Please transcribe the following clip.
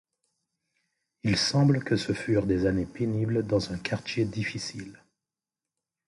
Il semble que ce furent des années pénible dans un quartier difficile.